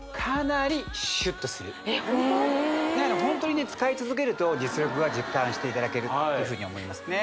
ホントにね使い続けると実力は実感していただけるっていうふうに思いますね